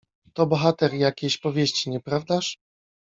"To bohater jakiejś powieści, nieprawdaż?"